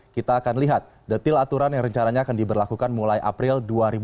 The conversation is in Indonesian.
kita akan lihat detil aturan yang rencananya akan diberlakukan mulai april dua ribu dua puluh